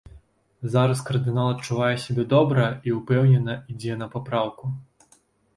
Зараз кардынал адчувае сябе добра і ўпэўнена ідзе на папраўку.